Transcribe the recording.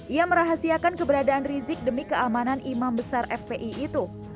ia merahasiakan keberadaan rizik demi keamanan imam besar fpi itu